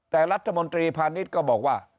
แต่รัฐมนตรีพาณิชย์ก็บอกว่า